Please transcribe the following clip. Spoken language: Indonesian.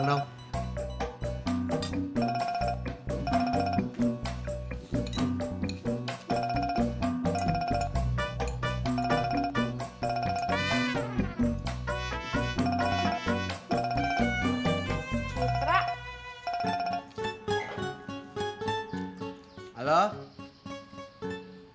gue mau bikin ngaram